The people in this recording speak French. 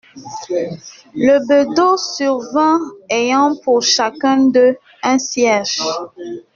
Le bedeau survint, ayant pour chacun d'eux un cierge.